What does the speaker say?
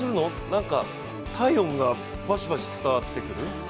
なんか体温がバシバシ伝わってくる。